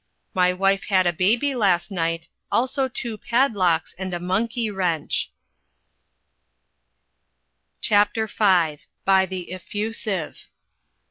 My wife had a baby last nite, also two padlocks and a monkey rench." V. By the Effusive.